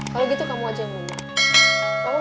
kalau gitu kamu aja ngomong